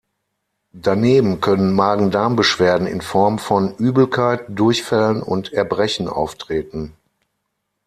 Daneben können Magen-Darm-Beschwerden in Form von Übelkeit, Durchfällen und Erbrechen auftreten.